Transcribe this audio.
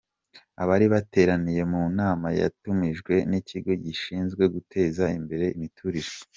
Abari bateraniye mu nama yatumijwe n’ikigo gishinzwe guteza imbere imiturire.